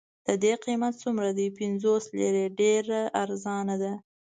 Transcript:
د دې قیمت څومره دی؟ پنځوس لیرې، ډېره ارزانه ده.